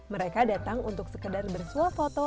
mereka datang untuk sekedar bersuah foto